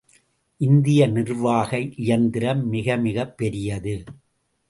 இந்திய நிர்வாக இயந்திரம் மிகமிகப் பெரியது.